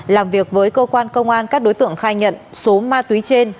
làm việc với cơ quan công an các đối tượng khai nhận số ma túy trên